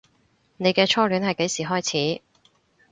你嘅初戀係幾時開始